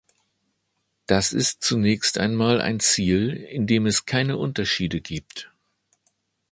Das ist zunächst einmal ein Ziel, in dem es keine Unterschiede gibt.